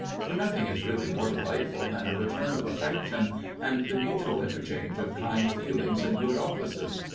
For nothing is really more delightful than a return of affection, and the mutual interchange of kind feeling and good offices.